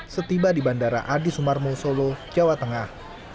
setiba di bandara adi sumarmo solo jawa tengah